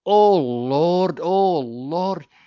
O Lord! Lord!